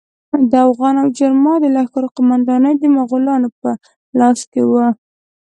د اوغان او جرما د لښکرو قومانداني د مغولانو په لاس کې وه.